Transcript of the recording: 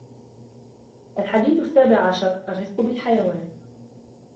الحديث السابع عشر: الرفق بالحيوان